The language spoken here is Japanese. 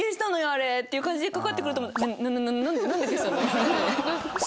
あれ」っていう感じでかかってくると思ったら。